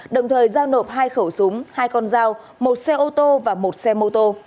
đồng thời giao nộp hai khẩu súng hai con dao một xe ô tô và một xe mô tô